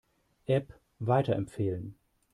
App weiterempfehlen.